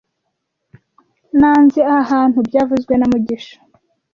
Nanze aha hantu byavuzwe na mugisha